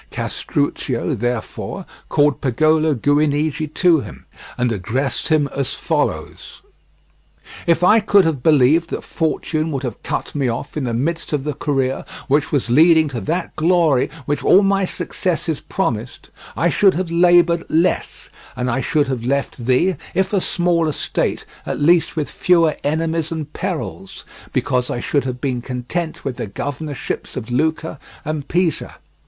Castruccio, therefore, called Pagolo Guinigi to him, and addressed him as follows: "If I could have believed that Fortune would have cut me off in the midst of the career which was leading to that glory which all my successes promised, I should have laboured less, and I should have left thee, if a smaller state, at least with fewer enemies and perils, because I should have been content with the governorships of Lucca and Pisa.